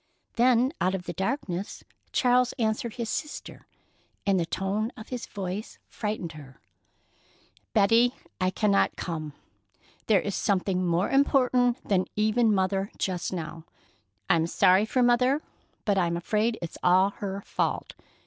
Then, out of the darkness, Charles answered his sister, and the tone of his voice frightened her: "Betty, I cannot come. There is something more important than even Mother just now. I'm sorry for Mother, but I'm afraid it's all her fault.